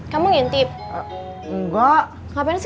tapi weber chief gue nggak mau bantuin